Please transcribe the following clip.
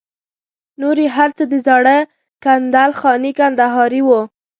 نور یې هر څه د زاړه کندل خاني کندهاري وو.